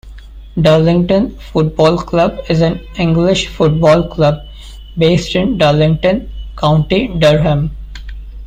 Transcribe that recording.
Darlington Football Club is an English football club based in Darlington, County Durham.